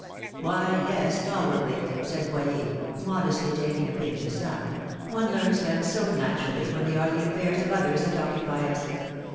"Why, yes, tolerably," said Boyer, modestly taking a pinch of snuff, "one learns them so naturally, when they are the affairs of others that occupy us."